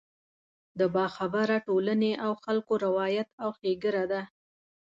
د باخبره ټولنې او خلکو روایت او ښېګړه ده.